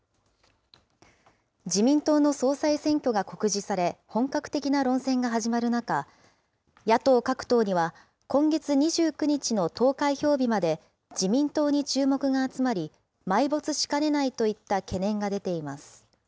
自民党の総裁選挙が告示され、本格的な論戦が始まる中、野党各党には、今月２９日の投開票日まで自民党に注目が集まり、埋没しかねないといった懸念が出ています。